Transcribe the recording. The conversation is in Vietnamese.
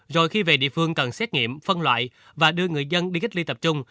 rồi khi về địa phương cần xét nghiệm phân loại và đưa người dân đi cách ly tập trung